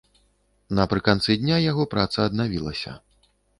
Напрыканцы дня яго праца аднавілася.